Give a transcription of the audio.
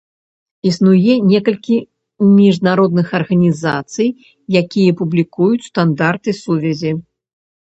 Існуе некалькі міжнародных арганізацый, якія публікуюць стандарты сувязі.